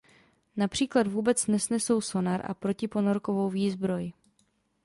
Například vůbec nenesou sonar a protiponorkovou výzbroj.